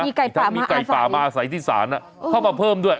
มีไก่ป่ามาอาศัยมีไก่ป่ามาอาศัยที่ศาลน่ะเข้ามาเพิ่มด้วย